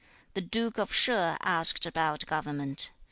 The Duke of Sheh asked about government.